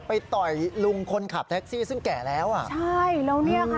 ต่อยลุงคนขับแท็กซี่ซึ่งแก่แล้วอ่ะใช่แล้วเนี่ยค่ะ